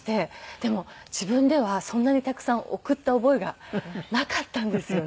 でも自分ではそんなにたくさん送った覚えがなかったんですよね。